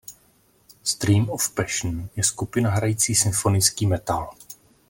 Stream of Passion je skupina hrající symfonický metal.